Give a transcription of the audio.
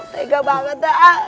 tega banget pak